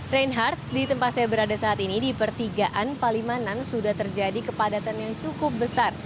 reinhardt di tempat saya berada saat ini di pertigaan palimanan sudah terjadi kepadatan yang cukup besar